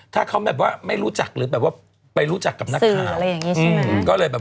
ถ้าเขาแบบว่าไม่รู้จักหรือแบบว่าไปรู้จักกับนักข่าวอะไรอย่างนี้ใช่ไหม